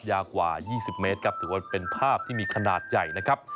ยาวกว่า๒๐เมตรครับถือว่าเป็นภาพที่มีขนาดใหญ่นะครับ